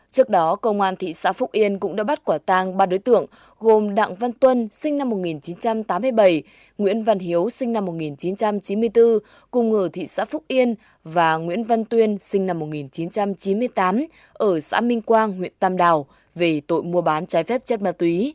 trước đó công an thị xã phúc yên cũng đã bắt quả tang ba đối tượng gồm đặng văn tuân sinh năm một nghìn chín trăm tám mươi bảy nguyễn văn hiếu sinh năm một nghìn chín trăm chín mươi bốn cùng ở thị xã phúc yên và nguyễn văn tuyên sinh năm một nghìn chín trăm chín mươi tám ở xã minh quang huyện tam đào về tội mua bán trái phép chất ma túy